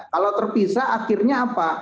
kalau terpisah akhirnya apa